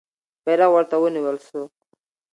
بیرغ ورته ونیول سو.